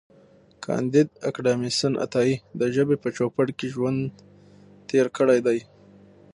کانديد اکاډميسن عطایي د ژبې په چوپړ کې ژوند تېر کړی دی.